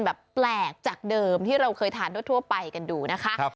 แปลกจากเดิมที่เราเคยทานทั่วไปกันดูนะคะ